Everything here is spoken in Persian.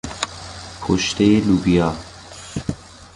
پشتهی لوبیا